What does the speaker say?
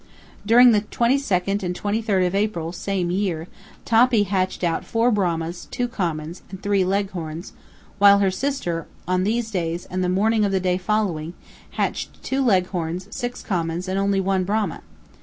During the twenty second and twenty third of April (same year) Toppy hatched out four Brahmas, two commons, and three Leghorns, while her sister, on these days and the morning of the day following, hatched two Leghorns, six commons, and only one Brahma.